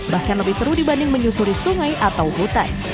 bahkan lebih seru dibanding menyusuri sungai atau hutan